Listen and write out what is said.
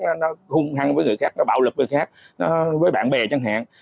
nó hung hăng với người khác nó bạo lực với người khác với bạn bè chẳng hạn